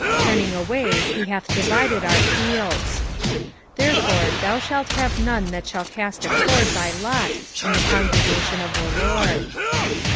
turning away he hath divided our fields. 2:5 Therefore thou shalt have none that shall cast a cord by lot in the congregation of the LORD.